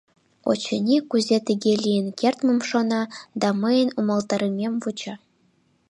Очыни, кузе тыге лийын кертмым шона да мыйын умылтарымем вуча.